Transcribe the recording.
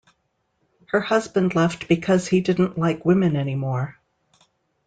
Her husband left because he didn't like women anymore.